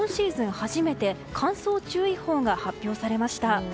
初めて乾燥注意報が発表されました。